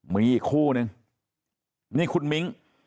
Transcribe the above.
มีอีกคู่นึงนี่คุณมิ้ง